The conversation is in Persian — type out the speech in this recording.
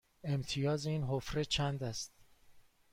امتیاز این حفره چند است؟